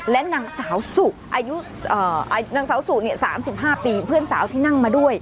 และนางสาวสุอายุนางสาวสุ๓๕ปีเพื่อนสาวที่นั่งมาด้วย